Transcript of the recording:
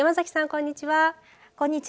こんにちは。